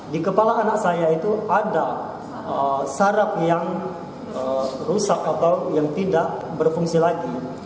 di kepala anak saya itu ada sarap yang rusak atau yang tidak berfungsi lagi